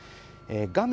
画面